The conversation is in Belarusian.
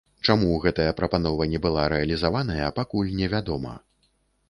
Чаму гэтая прапанова не была рэалізаваная, пакуль невядома.